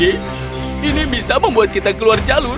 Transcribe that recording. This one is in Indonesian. ini bisa membuat kita keluar jalur